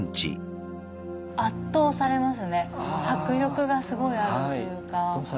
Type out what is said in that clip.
迫力がすごいあるというか。